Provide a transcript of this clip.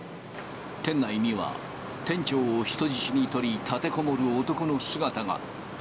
店内には店長を人質に取り、立てこもる男の姿が。